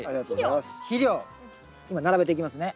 今並べていきますね。